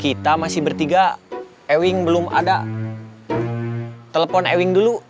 kita masih bertiga ewing belum ada telepon ewing dulu